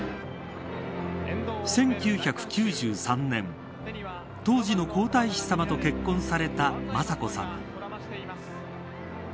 １９９３年当時の皇太子さまと結婚された雅子さま。